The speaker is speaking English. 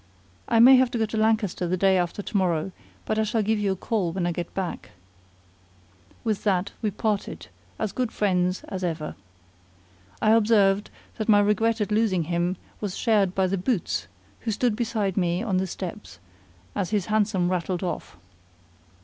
I may have to go to Lancaster the day after to morrow, but I shall give you a call when I get back." With that we parted, as good friends as ever. I observed that my regret at losing him was shared by the boots, who stood beside me on the steps as his hansom rattled off.